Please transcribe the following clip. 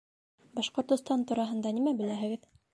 Башкортостан тураһында нимә беләһегеҙ?